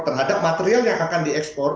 terhadap material yang akan diekspor